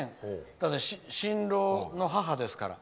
だって、新郎の母ですから。